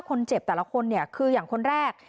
คนเจ็บแต่ละคนคืออย่างคนแรก